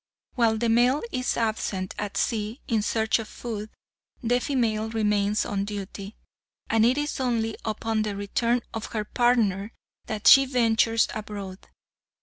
While the male is absent at sea in search of food, the female remains on duty, and it is only upon the return of her partner that she ventures abroad.